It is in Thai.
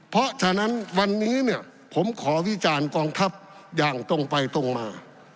เพราะฉะนั้นวันนี้เนี่ยผมขอวิจารณ์กองทัพอย่างตรงไปตรงมา